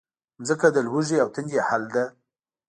مځکه د لوږې او تندې حل ده.